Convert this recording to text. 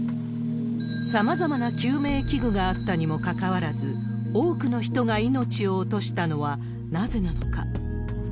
さまざまな救命器具があったにもかかわらず、多くの人が命を落としたのはなぜなのか。